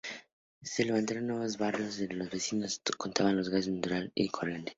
Se levantaron nuevos barrios donde los vecinos contaban con gas natural y agua corriente.